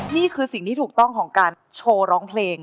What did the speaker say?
นี่คือสิ่งที่ถูกต้องของการโชว์ร้องเพลง